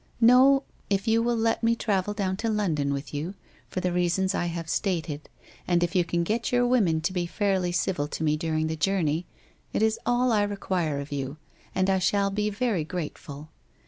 No, if you will let me travel down to London with you, for the reasons I have stated, and if you can get your women to be fairly civil to me during the journey, it is all I require of you, and I shall be very grateful.